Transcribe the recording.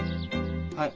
はい！